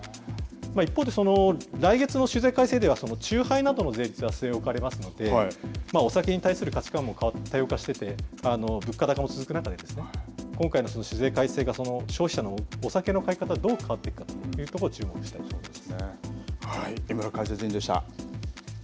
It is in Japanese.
一方で、来月の酒税改正では酎ハイなどの税率は据え置かれますので、お酒に対する価値観も多様化してて、物価高も続く中、今回のその酒税改正が、消費者のお酒の買い方がどう変わっていくのか、注目したいと思います。